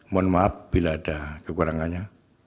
mohon maaf bila ada kekurangannya